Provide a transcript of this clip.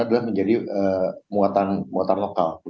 adalah menjadi muatan muatan lokal